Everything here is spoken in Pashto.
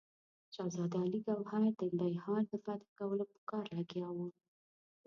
شهزاده علي ګوهر د بیهار د فتح کولو په کار لګیا وو.